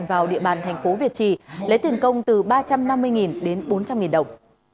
vào địa bàn tp việt trì lấy tiền công từ ba trăm năm mươi đến bốn trăm linh đồng